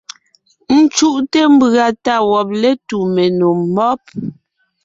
Ńcúʼte mbʉ̀a tá wɔb létu menò mɔ́b.